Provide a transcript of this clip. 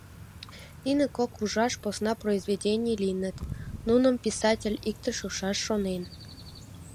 Нине кок ужаш посна произведений лийыныт, нуным писатель иктыш ушаш шонен.